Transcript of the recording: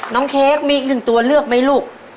เค้กมีอีกหนึ่งตัวเลือกไหมลูก